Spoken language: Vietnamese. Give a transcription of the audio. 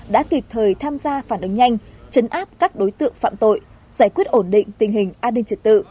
đã kịp thời tham gia phản ứng nhanh chấn áp các đối tượng phạm tội giải quyết ổn định tình hình an ninh trật tự